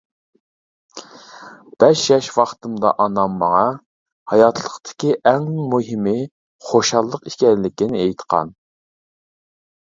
بەش ياش ۋاقتىمدا ئانام ماڭا، ھاياتلىقتىكى ئەڭ مۇھىمى خۇشاللىق ئىكەنلىكىنى ئېيتقان.